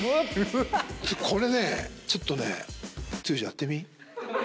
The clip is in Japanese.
これねちょっとね剛やってみ？